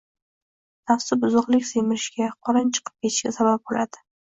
Nafsi buzuqlik semirishga, qorin chiqib ketishiga sabab bo‘ladi.